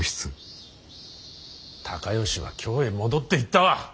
高能は京へ戻っていったわ！